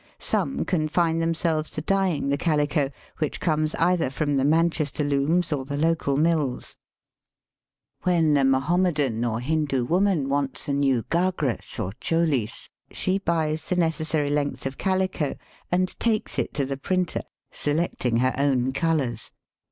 Some confine themselves to dyeing the calico, which comes either from the Manchester looms or the local mills. When a Mahommedan or Hindoo Digitized by VjOOQIC 184 EAST BY WEST. woman wants a new gagras or cholis, she buys the necessary length of calico and takes it to the printer, selecting her own colours.